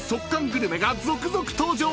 グルメが続々登場！］